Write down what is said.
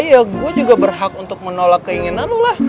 ya gua juga berhak untuk menolak keinginan lo lah